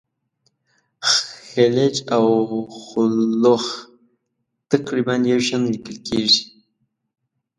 خلج او خُلُّخ تقریبا یو شان لیکل کیږي.